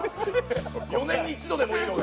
４年に一度でもいいので。